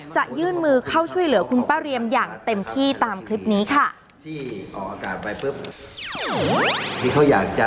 จะยื่นมือเข้าช่วยเหลือคุณป้าเรียมอย่างเต็มที่ตามคลิปนี้ค่ะ